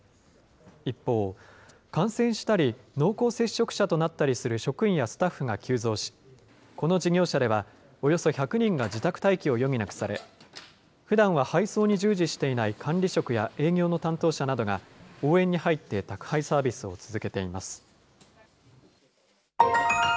一方、感染したり、濃厚接触者となったりする職員やスタッフが急増し、この事業者ではおよそ１００人が自宅待機を余儀なくされ、ふだんは配送に従事していない管理職や営業の担当者などが応援に入って宅配サービスを続けています。